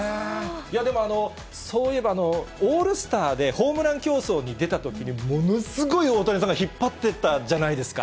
でも、そういえば、オールスターでホームラン競争に出たときに、ものすごい大谷さんが引っ張ってったじゃないですか。